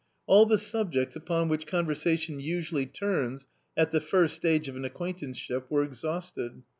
All the subjects upon which conversation usually turns at the first stage of an acquaintanceship were exhausted.